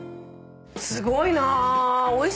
すごいな！